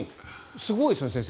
すごいですね、先生。